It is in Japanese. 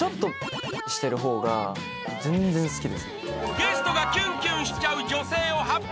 ［ゲストがキュンキュンしちゃう女性を発表］